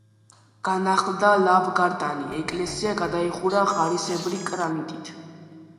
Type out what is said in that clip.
განახლდა ლავგარდანი, ეკლესია გადაიხურა ღარისებრი კრამიტით.